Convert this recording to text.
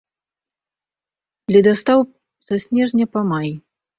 Ледастаў са снежня па май.